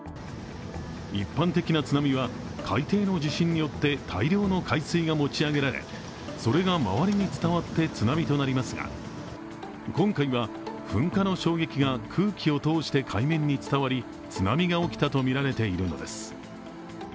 一般的な津波は海底の地震によって大量の海水が持ち上げられ、それが周りに伝わって津波となりますが、今回は噴火の衝撃が空気を通して海面に伝わり津波が起きたとみられているのです。